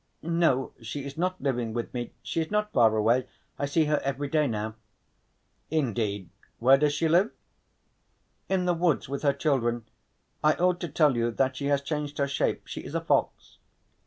"No. She is not living with me. She is not far away. I see her every day now." "Indeed. Where does she live?" "In the woods with her children. I ought to tell you that she has changed her shape. She is a fox."